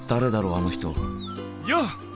あの人よう！